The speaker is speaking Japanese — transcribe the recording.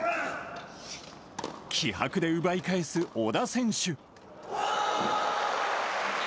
気迫で奪い返す小田選手。